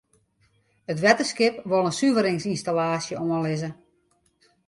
It wetterskip wol in suveringsynstallaasje oanlizze.